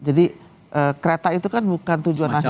jadi kereta itu kan bukan tujuan akhir